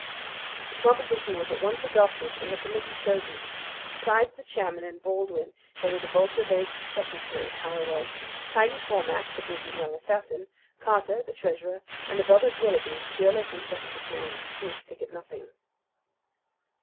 The proposition was at once adopted, and the committee chosen. Besides the chairman and Baldwin there were the vulture faced secretary, Harraway, Tiger Cormac, the brutal young assassin, Carter, the treasurer, and the brothers Willaby, fearless and desperate men who would stick at nothing.